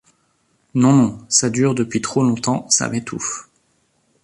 Non, non, ça dure depuis trop longtemps, ça m’étouffe...